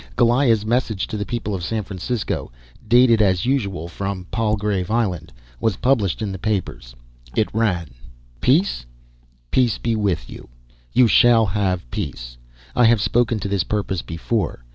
Goliah's message to the people of San Francisco, dated as usual from Palgrave Island, was published in the papers. It ran: "Peace? Peace be with you. You shall have peace. I have spoken to this purpose before.